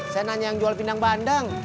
saya nanya yang jual pindang bandeng